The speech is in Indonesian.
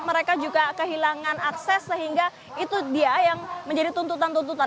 mereka juga kehilangan akses sehingga itu dia yang menjadi tuntutan tuntutan